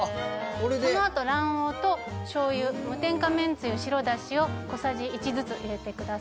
これでそのあと卵黄と醤油無添加めんつゆ白だしを小さじ１ずつ入れてください